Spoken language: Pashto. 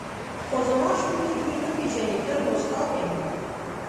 خو زما شونډې دوی نه پېژني تل موسکا کوي.